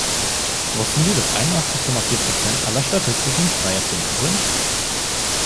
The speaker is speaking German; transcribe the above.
Wussten Sie, dass einundachtzig Komma vier Prozent aller Statistiken frei erfunden sind?